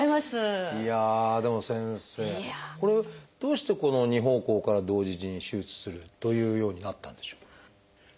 いやあでも先生どうしてこの二方向から同時に手術するというようになったんでしょう？